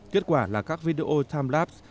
kết quả là các video timelapse